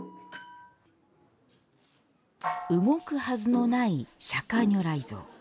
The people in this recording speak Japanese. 動くはずのない釈迦如来像。